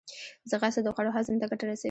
ځغاسته د خوړو هضم ته ګټه رسوي